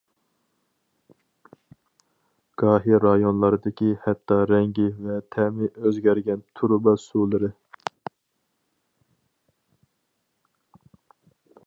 گاھى رايونلاردىكى ھەتتا رەڭگى ۋە تەمى ئۆزگەرگەن تۇرۇبا سۇلىرى.